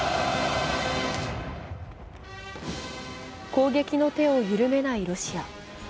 攻撃の手を緩めないロシア。